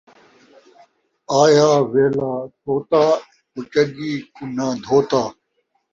آیا ویلھا سوتا، کُچڄی کُناں دھوتا